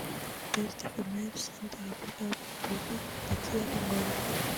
Best Female Central Africa- Bruna Tatiana (Angola)